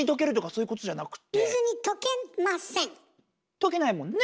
溶けないもんね！